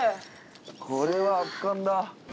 これは圧巻だ。